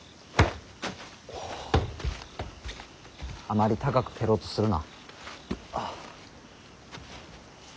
あまり高く蹴ろうとするな。